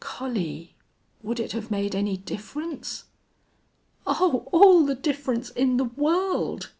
"Collie!... Would it have made any difference?" "Oh, all the difference in the world!"